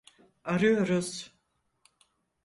Arıyoruz.